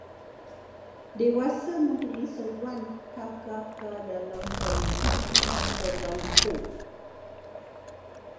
Dewasa mempunyai seruan ka-ka-ka dalam penerbangan dan seruan ko